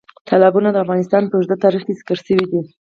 تالابونه د افغانستان په اوږده تاریخ کې ذکر شوي دي.